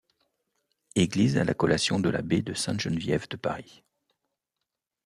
Église à la collation de l'abbé de Sainte-Geneviève de Paris.